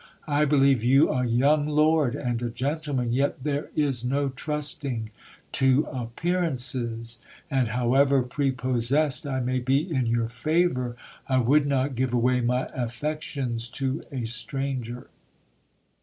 I believe you a young lord and a gentleman, yet there is no trusting to appearances ; and however prepossessed I may be in your favour, I would not give away my affections to a stranger.